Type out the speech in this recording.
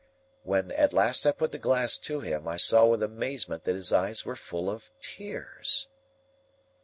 When at last I put the glass to him, I saw with amazement that his eyes were full of tears.